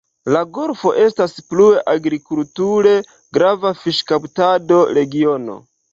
La golfo estas plue agrikulture grava fiŝkaptado-regiono.